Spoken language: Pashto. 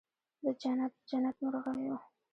د جنت، جنت مرغېو